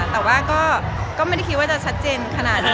แต่ว่าก็ไม่ได้คิดว่าจะชัดเจนขนาดนี้